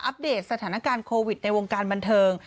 เดตสถานการณ์โควิดในวงการบันเทิง